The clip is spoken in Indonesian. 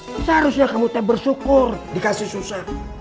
seharusnya kamu bersyukur dikasih susah